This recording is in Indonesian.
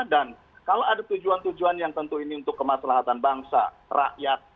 dan kalau ada tujuan tujuan yang tentu ini untuk kemaslahan bangsa rakyat